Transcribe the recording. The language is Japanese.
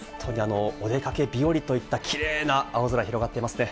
お出かけ日和といったキレイな青空、広がっていますね。